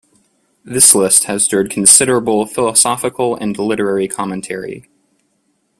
This list has stirred considerable philosophical and literary commentary.